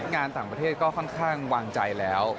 งานต่างประเทศก็ค่อนข้างวางใจแล้ว